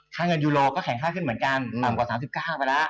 เงินยูโรก็แข็งค่าขึ้นเหมือนกันต่ำกว่า๓๙ไปแล้ว